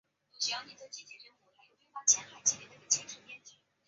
同年置毕节县隶威宁府。